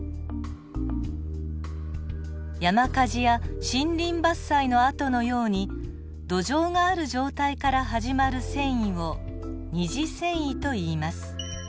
山火事や森林伐採のあとのように土壌がある状態から始まる遷移を二次遷移といいます。